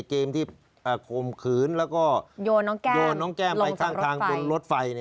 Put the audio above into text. เกมที่ข่มขืนแล้วก็โยนน้องแก้มไปข้างทางตรงรถไฟ